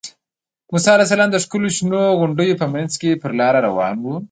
موسی علیه السلام د ښکلو شنو غونډیو په منځ کې پر لاره روان و.